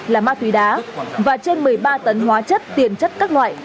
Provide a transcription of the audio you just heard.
là ma túy đá và trên một mươi ba tấn hóa chất tiền chất các loại